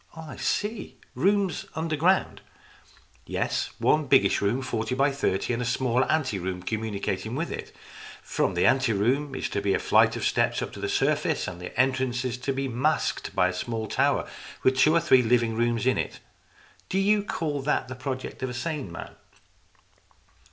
" I see. Rooms underground." " Yes. One biggish room, forty by thirty, and a smaller anteroom communicating with it. From the anteroom is to be a flight of steps up to the surface, and the entrance is to be masked by a small tower with two or three living rooms in it. Do you call that the project of a sane man